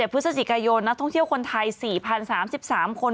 พฤศจิกายนนักท่องเที่ยวคนไทย๔๐๓๓คน